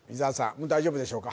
もう大丈夫でしょうか？